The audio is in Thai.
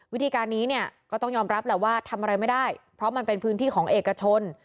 วิธีการนี้เนี่ยก็ต้องยอมรับแหละว่าทำอะไรไม่ได้เพราะมันเป็นพื้นที่ของเอกชน